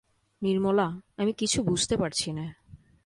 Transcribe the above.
নির্মলা, আমি কিছু বুঝতে পারছি নে।